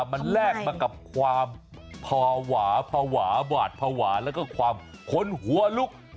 มันแลกมากับความภาวะภาวะบาดภาวะแล้วก็ความคนหัวลุก